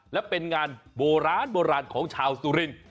และเป็นงานโบราณโบราณของชาวสุรินทร์